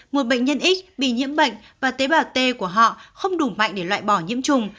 một bệnh nhân x bị nhiễm bệnh và tế bào t của họ không đủ mạnh để loại bỏ nhiễm trùng